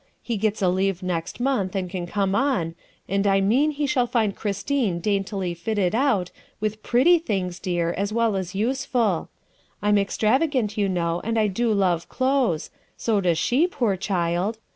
He gets a leave next month and can come on, and I mean he shall find Christine daintily fitted out, with pretty things, dear, as well as useful. I 'm extravagant, you know, and I do love clothes so does she, poor child.